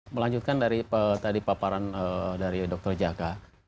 melanjutkan dari tadi paparan dari dr jaka